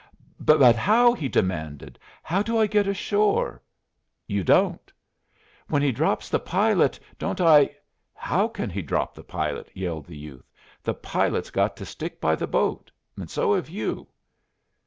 "But how," he demanded, "how do I get ashore?" "You don't!" "When he drops the pilot, don't I " "How can he drop the pilot?" yelled the youth. "The pilot's got to stick by the boat. So have you."